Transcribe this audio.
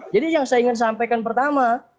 jadi yang saya ingin sampaikan pertama